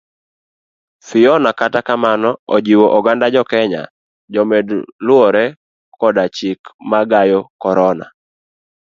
Fiona kata kamano ojiwo oganda jokenya jomed luwore kod chike mag gayo corona.